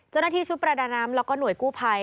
เจ้าหน้าที่ชุดประดาน้ำแล้วก็หน่วยกู้ภัย